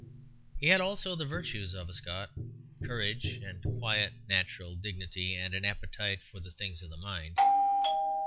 He had also the virtues of a Scot, courage, and a quite natural dignity and an appetite for the things of the mind.